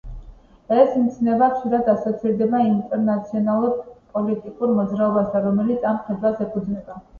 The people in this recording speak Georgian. ეს მცნება ხშირად ასოცირდება ინტერნაციონალურ პოლიტიკურ მოძრაობასთან, რომელიც ამ ხედვას ეფუძნება.